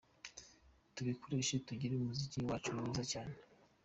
Tubikoreshe, tugire umuziki wacu mwiza cyane.